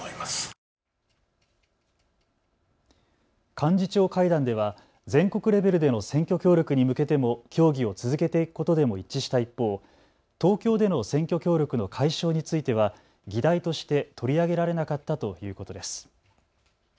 幹事長会談では全国レベルでの選挙協力に向けても協議を続けていくことでも一致した一方、東京での選挙協力の解消については議題として取り上げられなかったということです。